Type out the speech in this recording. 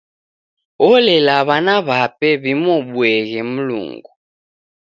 Olela w'ana w'ape w'imuobuoghe Mlungu.